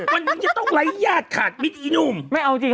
วันนี้จะต้องไล่ญาติค่ะคลิกอินูม